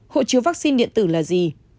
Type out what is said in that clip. một hộ chiếu vaccine điện tử là gì